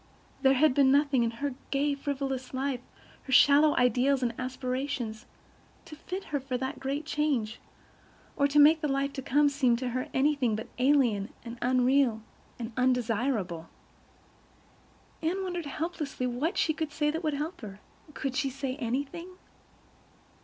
There had been nothing in her gay, frivolous life, her shallow ideals and aspirations, to fit her for that great change, or make the life to come seem to her anything but alien and unreal and undesirable. Anne wondered helplessly what she could say that would help her. Could she say anything?